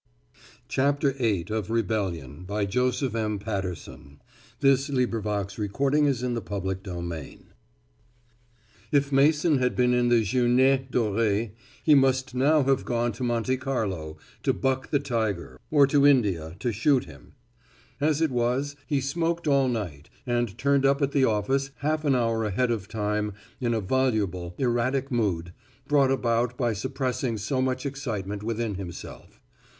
woman whom he loved belonged to another man. It was like the end of the world. VIII THE LIFE FORCE If Mason had been in the jeunesse dorée he must now have gone to Monte Carlo to buck the tiger or to India to shoot him. As it was, he smoked all night and turned up at the office half an hour ahead of time in a voluble, erratic mood, brought about by suppressing so much excitement within himself.